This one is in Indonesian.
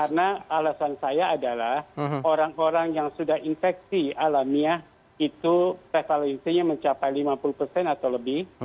karena alasan saya adalah orang orang yang sudah infeksi alamiah itu prevalensinya mencapai lima puluh persen atau lebih